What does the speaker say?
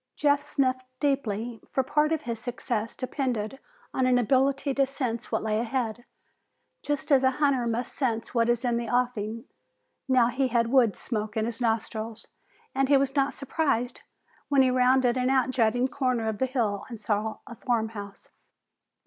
Jeff sniffed deeply, for part of his success depended on an ability to sense what lay ahead, just as a hunter must sense what is in the offing. Now he had wood smoke in his nostrils, and he was not surprised when he rounded an outjutting corner of the hill and saw a farm house.